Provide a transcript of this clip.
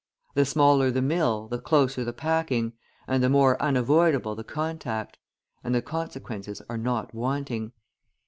The smaller the mill the closer the packing, and the more unavoidable the contact; and the consequences are not wanting.